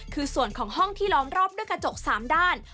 คือส่วนของห้องที่ล้อมรอบด้วยกระจก๓ด้าน